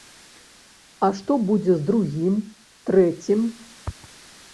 А што будзе з другім, трэцім?